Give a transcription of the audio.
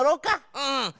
うん！